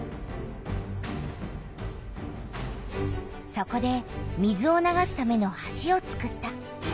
そこで水を流すための橋をつくった。